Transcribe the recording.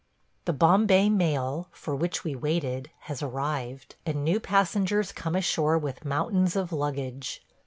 The Bombay mail, for which we waited, has arrived, and new passengers come ashore with mountains of luggage.